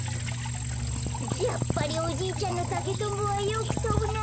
やっぱりおじいちゃんのたけとんぼはよくとぶな。